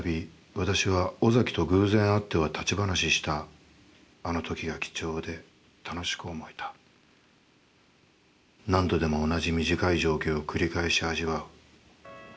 私は尾崎と偶然会っては立ち話したあのときが貴重で楽しく思えた、何度でも同じ短い情景を繰り返し味わう。